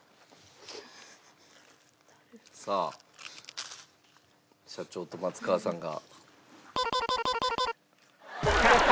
さあ社長と松川さんが。